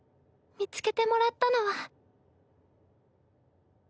見つけてもらったのは。